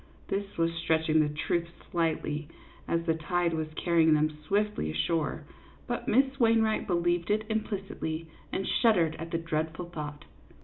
This was stretching the truth slightly, as the tide was carrying them swiftly ashore ; but Miss Wainwright believed it implicitly, and shuddered at the dreadful thought.